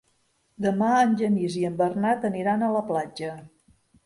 Demà en Genís i en Bernat aniran a la platja.